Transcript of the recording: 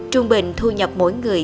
trung bình thu nhập mỗi người